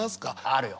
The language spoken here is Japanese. あるよ。